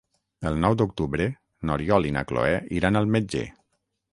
El nou d'octubre n'Oriol i na Cloè iran al metge.